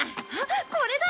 これだ！